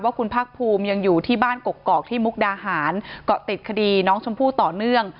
คุณภาคภูมิยังอยู่ที่บ้านกกอกที่มุกดาหารเกาะติดคดีน้องชมพู่ต่อเนื่อง